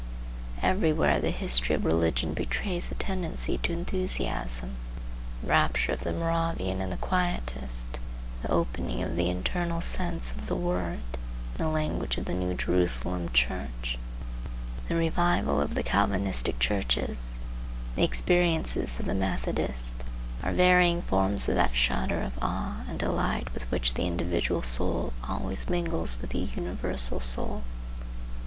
Everywhere the history of religion betrays a tendency to enthusiasm. The rapture of the Moravian and Quietist; the opening of the internal sense of the Word, in the language of the New Jerusalem Church; the revival of the Calvinistic churches; the experiences of the Methodists, are varying forms of that shudder of awe and delight with which the individual soul always mingles with the universal soul.